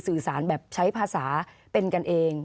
สื่อสารแบบใช้ภาษาเป็นกันเอง